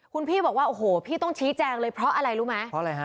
คุณพี่บอกว่าโอ้โหพี่ต้องชี้แจงเลยเพราะอะไรรู้ไหมเพราะอะไรฮะ